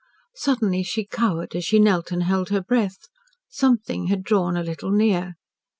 Suddenly she cowered as she knelt and held her breath. Something had drawn a little near.